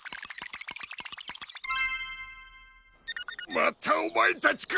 またおまえたちか！